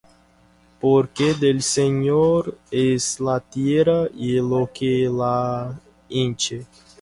Porque del Señor es la tierra y lo que la hinche.